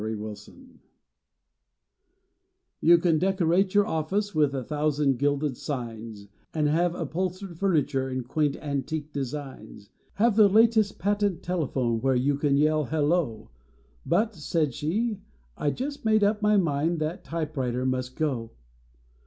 THE ULTIMATUM " You can decorate your office with a thousand gilded signs, And have upholstered furniture in quaint antique designs ; Have the latest patent telephone where you can yell Hello ! But," said she, " I just made up my mind that typewriter must go."